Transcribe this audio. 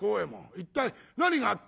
一体何があった？」。